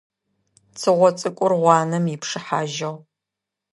Цыгъо цӏыкӏур, гъуанэми ипшыхьажьыгъ.